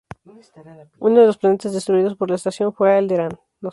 Uno de los planetas destruidos por la estación fue Alderaan.